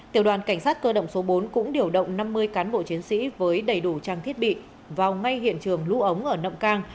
tiểu đoàn cảnh sát cơ động số bốn cũng điều động năm mươi cán bộ chiến sĩ với đầy đủ trang thiết bị vào ngay hiện trường lũ ống ở nậm cang